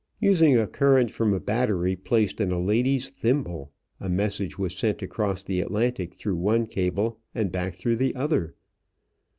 Using the current from a battery placed in a lady's thimble, a message was sent across the Atlantic through one cable and back through the other.